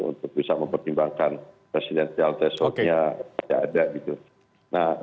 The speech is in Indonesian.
untuk bisa mempertimbangkan presidenial tesoknya